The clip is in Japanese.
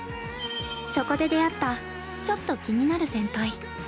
そこで出会ったちょっと気になる先輩。